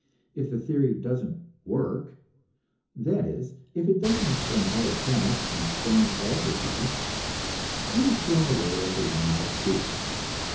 If the theory doesn't "work" that is, if it doesn't explain all the facts and stand all the tests it is thrown away like a worn out shoe.